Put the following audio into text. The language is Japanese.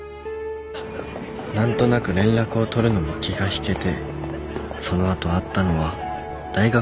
何となく連絡を取るのも気がひけてその後会ったのは大学を出てから